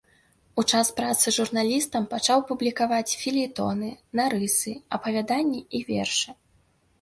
У час працы журналістам пачаў публікаваць фельетоны, нарысы, апавяданні і вершы.